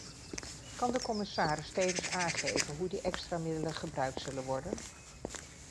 Kan de commissaris tevens aangeven hoe die extra middelen gebruikt zullen worden?